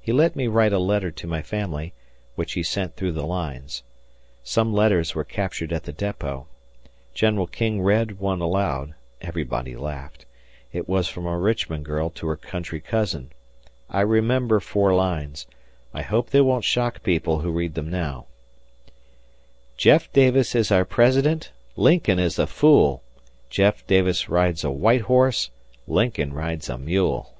He let me write a letter to my family, which he sent through the lines. Some letters were captured at the depot. General King read one aloud everybody laughed. It was from a Richmond girl to her country cousin. I remember four lines. I hope they won't shock people who read them now: "Jeff Davis is our President, Lincoln is a fool. Jeff Davis rides a white horse, Lincoln rides a mule."